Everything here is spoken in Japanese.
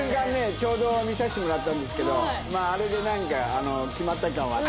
ちょうど見させてもらってたんですけどあれでなんか決まった感は。